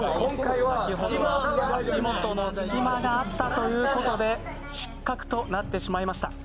先ほどは足元の隙間があったということで失格となってしまいました。